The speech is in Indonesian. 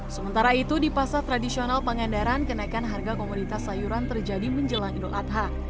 sementara itu di pasar tradisional pangandaran kenaikan harga komoditas sayuran terjadi menjelang idul adha